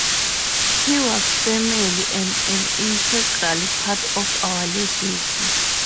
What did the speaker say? He was family, and an integral part of our legacy.